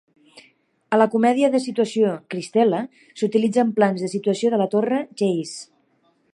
A la comèdia de situació "Cristela" s'utilitzen plans de situació de la torre Chase.